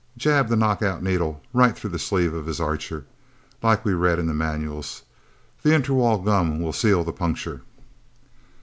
Jab the knockout needle right through the sleeve of his Archer, like we read in the manuals. The interwall gum will seal the puncture..."